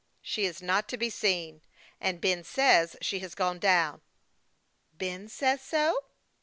" She is not to be seen, and Ben says she has gone down." " Ben says so